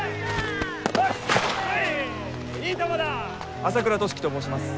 朝倉寿喜と申します。